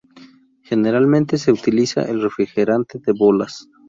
Generalmente, se utiliza el refrigerante de bolas.